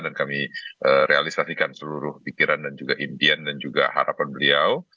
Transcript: dan kami realisasikan seluruh pikiran dan juga impian dan juga harapan beliau